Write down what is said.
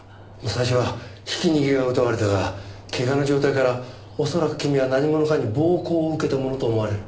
最初はひき逃げを疑われたがけがの状態から恐らく君は何者かに暴行を受けたものと思われる。